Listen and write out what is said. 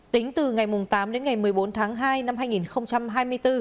tính từ ngày tám đến ngày một mươi bốn tháng hai năm hai nghìn hai mươi bốn